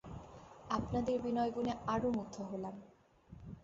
আপনাদের বিনয়গুণে আরো মুগ্ধ হলেম।